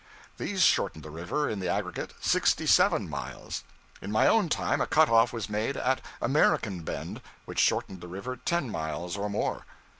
These shortened the river, in the aggregate, sixty seven miles. In my own time a cut off was made at American Bend, which shortened the river ten miles or more.